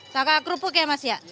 takak rupuk ya mas ya